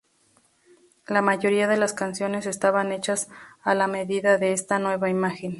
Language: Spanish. La mayoría de las canciones estaban hechas a la medida de esta nueva imagen.